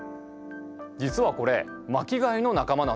実はこれ巻き貝の仲間なんです。